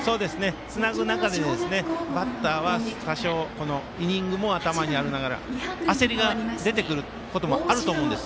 つなぐ中でバッターは多少イニングも頭にありながら焦りが出てくることもあると思うんです。